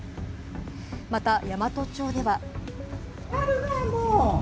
また山都町では。